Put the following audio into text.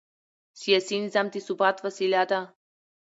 سیاسي نظام د ثبات وسیله ده